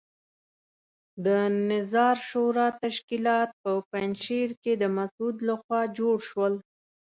د نظار شورا تشکیلات په پنجشیر کې د مسعود لخوا جوړ شول.